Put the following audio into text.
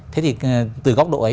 thế thì từ góc độ ấy